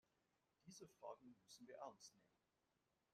Diese Fragen müssen wir ernst nehmen.